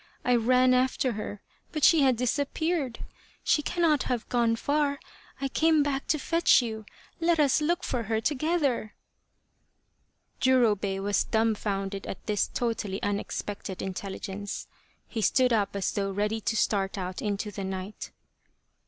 I ran after her, but she had disappeared ! She cannot have gone far. I came back to fetch you. Let us look for her together." Jurobei was dumbfounded at this totally unexpected intelligence. He stood up as though ready to start out into the night.